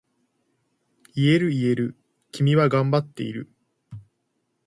言える言える、君は頑張っている。